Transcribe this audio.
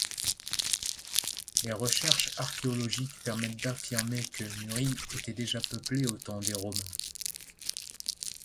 Les recherches archéologiques permettent d’affirmer que Muri était déjà peuplé au temps des Romains.